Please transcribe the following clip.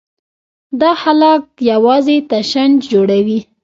دا خلک یوازې تشنج جوړوي.